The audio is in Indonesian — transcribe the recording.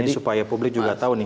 supaya publik juga tahu nih